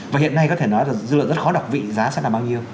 và hiện nay có thể nói là dư lượng rất khó đọc vị giá sẽ là bao nhiêu